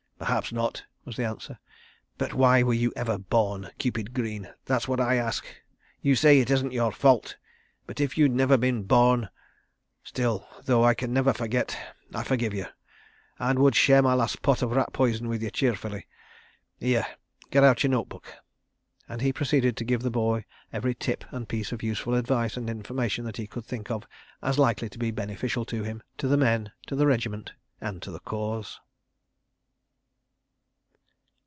"Perhaps not," was the answer, "but why were you ever born, Cupid Greene, that's what I ask? You say it isn't your fault—but if you'd never been born ... Still, though I can never forget, I forgive you, and would share my last pot of rat poison with you cheerfully. ... Here—get out your note book," and he proceeded to give the boy every "tip" and piece of useful advice and information that he could think of as likely to be beneficial to him, to the men, to the regiment, and to the Cause.